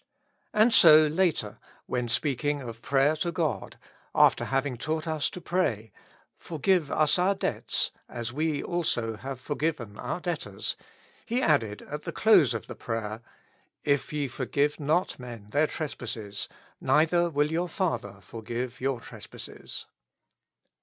And so later, when speaking of prayer to God, after having taught us to pray, " Forgive us our debts, as we also have forgiven our debtors," He added at the close of the prayer :" If you forgive not men their trespasses, neither will your Father forgive your trespasses."